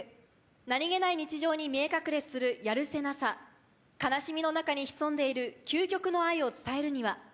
何げない日常に見え隠れするやるせなさ悲しみの中に潜んでいる究極の愛を伝えるには？